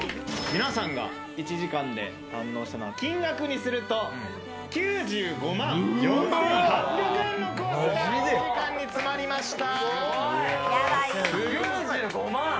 皆さんが１時間で堪能したものを金額にすると、９５万４８００円のコースが１時間に詰まりました。